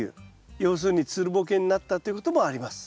要するにつるボケになったということもあります。